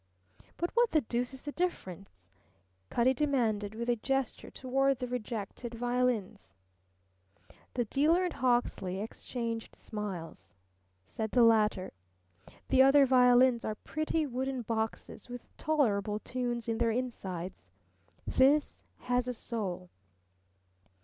"But what the deuce is the difference?" Cutty demanded with a gesture toward the rejected violins. The dealer and Hawksley exchanged smiles. Said the latter: "The other violins are pretty wooden boxes with tolerable tunes in their insides. This has a soul."